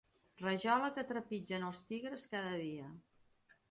Rajola que trepitgen els tigres cada dia.